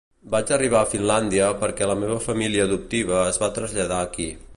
Vaig arribar a Finlàndia perquè la meva família adoptiva es va traslladar aquí.